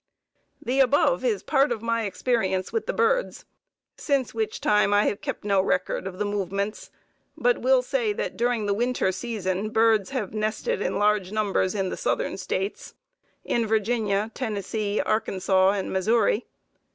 The above is part of my experience with the birds, since which time I have kept no record of the movements, but will say that during the winter season birds have nested in large numbers in the southern States; in Virginia, Tennessee, Arkansas and Missouri.